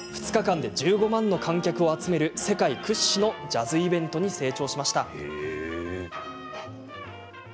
２日間で１５万の観客を集める世界屈指のジャズイベントに成長しました。